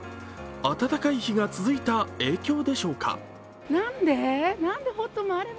暖かい日が続いた影響でしょうか。